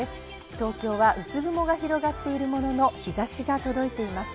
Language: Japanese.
東京は薄雲が広がっているものの、日差しが届いています。